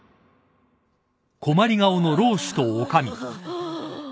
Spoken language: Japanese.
ああ。